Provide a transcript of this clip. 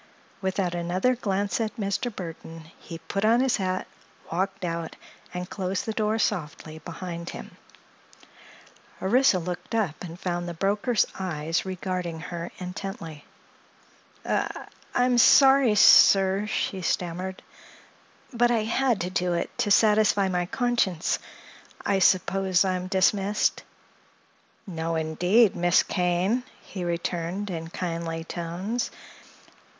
Without another glance at Mr. Burthon he put on his hat, walked out and closed the door softly behind him. Orissa looked up and found the broker's eyes regarding her intently. "I—I'm sorry, sir," she stammered; "but I had to do it, to satisfy my conscience. I suppose I am dismissed?" "No, indeed, Miss Kane," he returned in kindly tones.